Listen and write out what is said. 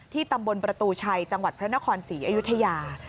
ตำบลประตูชัยจังหวัดพระนครศรีอยุธยา